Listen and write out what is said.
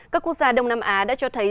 các quốc gia đông nam á đã cho thấy